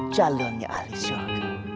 calonnya ahli syurga